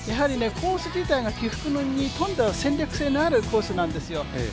コース自体は起伏に富んだ戦略性のあるコースなんですよ。